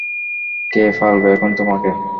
কে পালবে এখন তোমাকে?